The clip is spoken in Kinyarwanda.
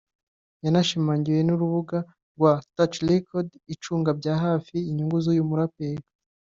yanashimangiwe n’urubuga rwa ‘Touch Records’ icunga bya hafi inyungu z’uyu muraperi